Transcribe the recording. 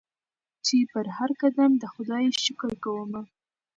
چي پر هرقدم د خدای شکر کومه